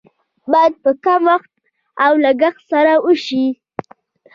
باید په کم وخت او لګښت سره وشي.